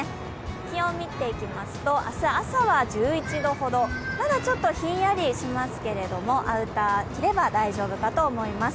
気温を見ていきますと明日朝は１１度ほど、ただ、ちょっとひんやりしますけれども、アウターを着れば大丈夫かと思います。